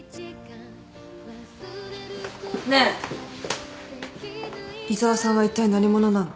ねえ井沢さんはいったい何者なの？